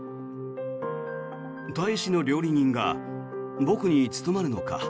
大使の料理人が僕に務まるのか。